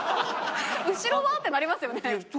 「後ろは？」ってなりますよね。